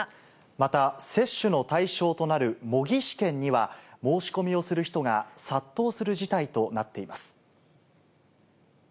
また接種の対象となる模擬試験には、申し込みをする人が殺到する事態となっています。